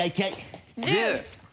１０。